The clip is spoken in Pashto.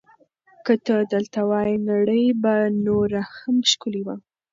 که ته دلته وای، نړۍ به نوره هم ښکلې وه.